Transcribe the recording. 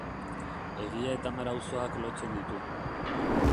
Egia eta Amara auzoak lotzen ditu.